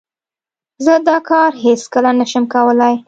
زه دا کار هیڅ کله نه شم کولای.